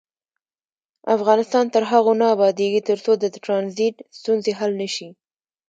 افغانستان تر هغو نه ابادیږي، ترڅو د ټرانزیت ستونزې حل نشي.